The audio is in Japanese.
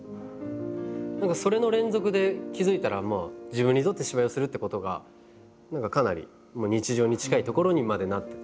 何かそれの連続で気付いたら自分にとって芝居をするってことが何かかなり日常に近いところにまでなって。